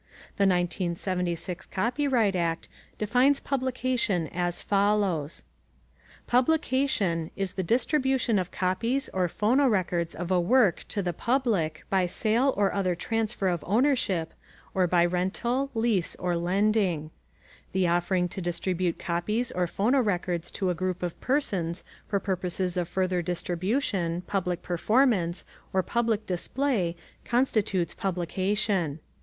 The 1976 Copyright Act defines publication as follows: "Publication" is the distribution of copies or phonorecords of a work to the public by sale or other transfer of ownership, or by rental, lease, or lending. The offering to distribute copies or phonorecords to a group of persons for purposes of further distribution, public performance, or public display constitutes publication.